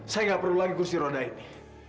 saya nggak perlu lagi kursi roda ini